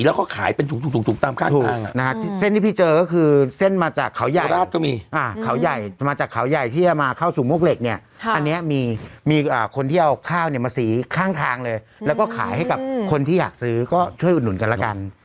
อ้าวใช่อย่างน้อยเขาเอาออกมามามาสีแล้วก็ขายเป็นถุงตาม